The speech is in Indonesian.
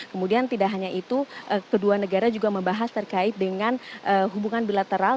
kemudian tidak hanya itu kedua negara juga membahas terkait dengan hubungan bilateral